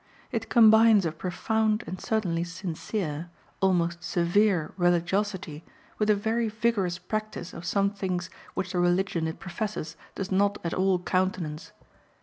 It combines a profound and certainly sincere almost severe religiosity with a very vigorous practice of some things which the religion it professes does not at all countenance.